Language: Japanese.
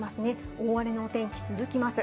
大荒れのお天気、続きます。